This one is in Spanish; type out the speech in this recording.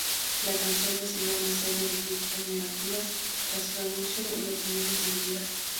La canción recibió una serie de críticas negativas tras su anuncio y opiniones divididas.